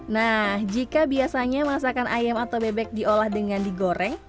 nah jika biasanya masakan ayam atau bebek diolah dengan digoreng